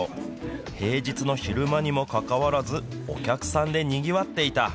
平日の昼間にもかかわらず、お客さんでにぎわっていた。